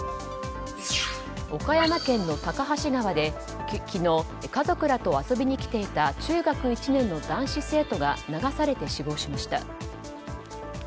岡山県の高梁川で昨日、家族らと遊びに来ていた中学１年の男子生徒が流されて死亡しました。